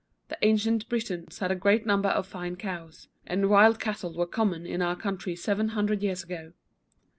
The ancient Britons had great numbers of fine cows; and wild cattle were common in our country seven hundred years ago.